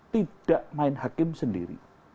tidak main hakim sendiri